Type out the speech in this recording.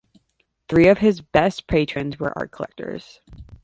Three of his best patrons were art collectors.